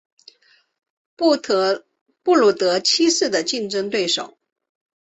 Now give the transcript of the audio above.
布鲁德七世的竞争对手。